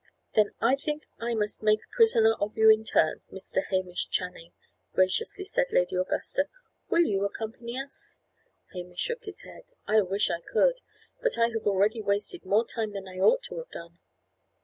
"Then I think I must make a prisoner of you in turn, Mr. Hamish Channing," graciously said Lady Augusta. "Will you accompany us?" Hamish shook his head. "I wish I could; but I have already wasted more time than I ought to have done."